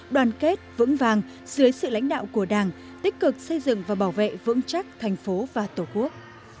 đoàn kết vững vàng dưới sự lãnh đạo của đảng tích cực xây dựng và bảo vệ vững chắc thành phố và tổ quốc